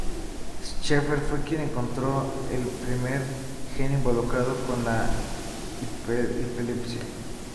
Scheffer fue quien encontró el primer gen involucrado en la epilepsia.